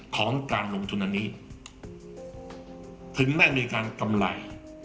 ของการลงทุนอันนี้ถึงไม่มีการกำไร